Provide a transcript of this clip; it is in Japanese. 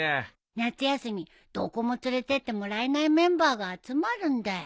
夏休みどこも連れてってもらえないメンバーが集まるんだよ。